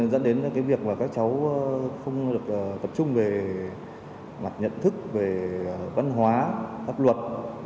dẫn đến việc các cháu không được tập trung về mặt nhận thức về văn hóa pháp luật